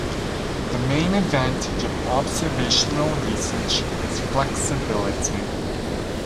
The main advantage of observational research is flexibility.